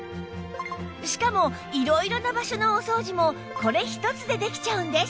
しかも色々な場所のお掃除もこれ一つでできちゃうんです